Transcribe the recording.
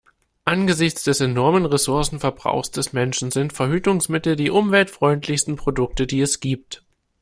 Angesichts des enormen Ressourcenverbrauchs des Menschen sind Verhütungsmittel die umweltfreundlichsten Produkte, die es gibt.